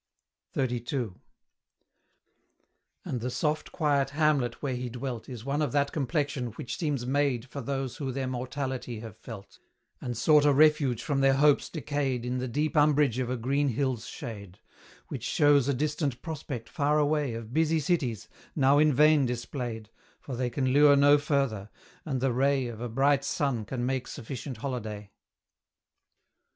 XXXII. And the soft quiet hamlet where he dwelt Is one of that complexion which seems made For those who their mortality have felt, And sought a refuge from their hopes decayed In the deep umbrage of a green hill's shade, Which shows a distant prospect far away Of busy cities, now in vain displayed, For they can lure no further; and the ray Of a bright sun can make sufficient holiday.